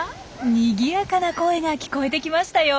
にぎやかな声が聞こえてきましたよ。